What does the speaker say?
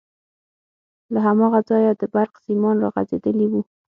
له هماغه ځايه د برق سيمان راغځېدلي وو.